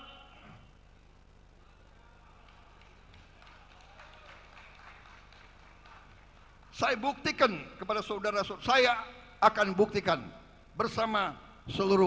hai saya buktikan kepada saudara saudara saya akan buktikan bersama seluruh